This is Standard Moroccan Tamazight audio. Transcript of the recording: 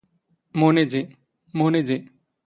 ⵎⵓⵏ ⵉⴷⵉ, ⵎⵓⵏ ⵉⴷⵉ.